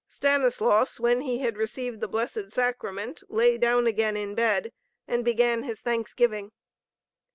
Stanislaus, when he had received the Blessed Sacrament, lay down again in bed and began his thanksgiving.